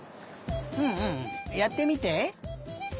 うんうんやってみて。